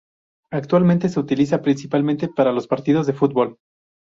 Actualmente se utiliza principalmente para los partidos de fútbol.